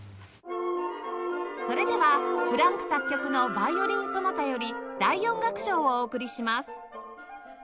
それではフランク作曲の『ヴァイオリン・ソナタ』より第４楽章をお送りします